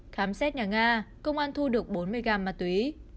khám xét nhà nga công an thu được bốn mươi gram ma túy